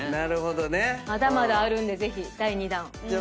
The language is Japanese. まだまだあるんでぜひ第２弾。